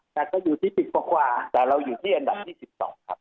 แต่ก็อยู่ที่ติดประกว่าแต่เราอยู่ที่อันดับที่สิบสองครับอ๋อ